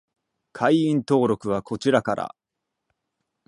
会員登録はこちらから